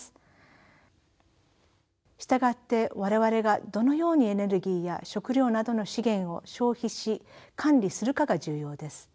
従って我々がどのようにエネルギーや食料などの資源を消費し管理するかが重要です。